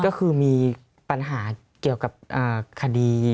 ก็คือมีปัญหาเกี่ยวกับคดี